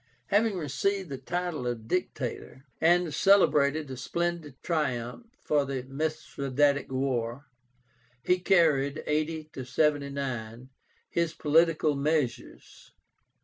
Having received the title of Dictator, and celebrated a splendid triumph for the Mithradátic war, he carried (80 79) his political measures.